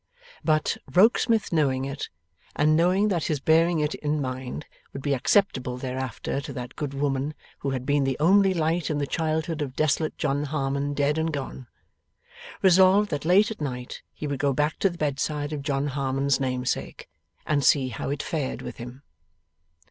But, Rokesmith knowing it, and knowing that his bearing it in mind would be acceptable thereafter to that good woman who had been the only light in the childhood of desolate John Harmon dead and gone, resolved that late at night he would go back to the bedside of John Harmon's namesake, and see how it fared with him.